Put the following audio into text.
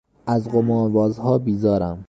از قمار بازها بیزارم.